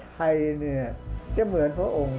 ภาคอีสานแห้งแรง